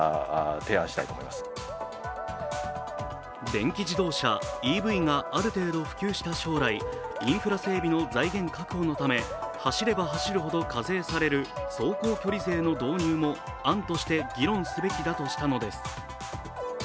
電気自動車＝ＥＶがある程度普及した将来、インフラ整備の財源確保のため、走れば走るほど課税される走行距離税の導入も案として議論すべきだとしたのです。